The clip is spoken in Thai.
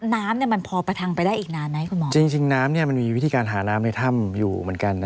น้ำเนี่ยมันพอประทังไปได้อีกนานไหมคุณหมอจริงจริงน้ำเนี้ยมันมีวิธีการหาน้ำในถ้ำอยู่เหมือนกันนะ